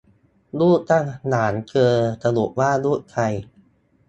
ลูกท่านหลานเธอ สรุปว่าลูกใคร